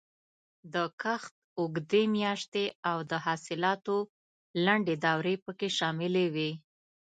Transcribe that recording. د کښت اوږدې میاشتې او د حاصلاتو لنډې دورې پکې شاملې وې.